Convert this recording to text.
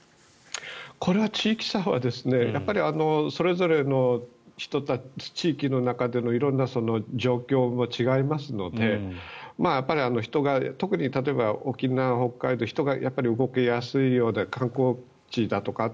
これは地域差はそれぞれの地域の中での色んな状況も違いますので特に例えば沖縄、北海道は人が動きやすくて観光地だとかって